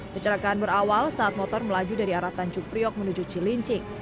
kecelakaan berawal saat motor melaju dari aratan cukriok menuju cilincing